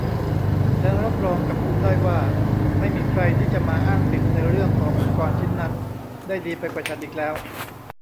ฉันรับรองกับคุณได้ว่า ไม่มีใครที่จะมาอ้างสิทธิ์ในเรื่องของอุปกรณ์ชิ้นนั้นได้ดีไปกว่าฉันอีกแล้ว